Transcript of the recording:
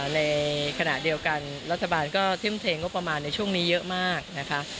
ในขณะเดียวกันรัฐบาลก็ทุ่มเทงบประมาณในช่วงนี้เยอะมากนะคะ